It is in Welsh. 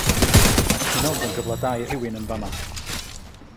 Dw i'n meddwl bod o'n gyfle da i rhywun yn fama.